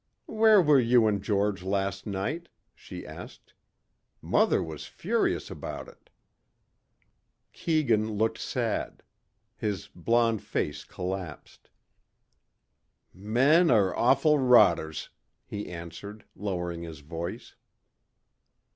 "Where were you and George last night?" she asked. "Mother was furious about it." Keegan looked sad. His blond face collapsed. "Men are awful rotters," he answered, lowering his voice.